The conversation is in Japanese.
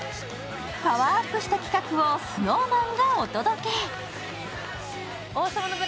パワーアップした企画をＳｎｏｗＭａｎがお届け。